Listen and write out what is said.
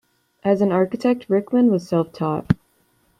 As an architect, Rickman was self-taught.